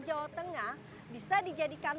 jawa tengah bisa dijadikan